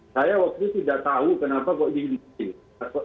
saya waktu itu tidak tahu kenapa kok dihindari